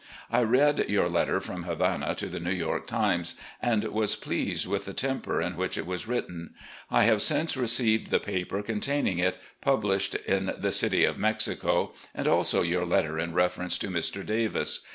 I read your letter from Havana to the New York Times, and was pleased with the temper in which it was written. I have since received the paper containing it, published in the City of Mexico, and also your letter in reference to Mr. Davis.